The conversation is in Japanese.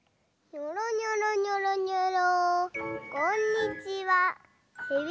にょろにょろにょろにょろ。